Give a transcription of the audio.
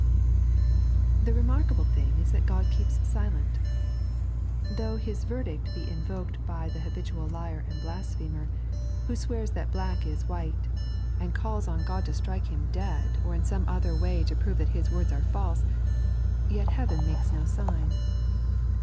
The remarkable thing is that Ood keeps silent. Though His verdict be invoked by the habitual liar and blasphemer, who swears that black is white, and calls on Qod to strike 3.n.iized by Google 70 SiMpLiciTT IN Speech. him dead, or in some other way to prove that his words are false, yet Heaven makes no sign.